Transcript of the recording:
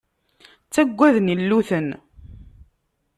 Ttagaden illuten.